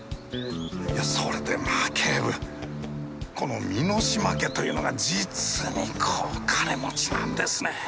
いやそれでまあ警部この簑島家というのが実にこう金持ちなんですねえ。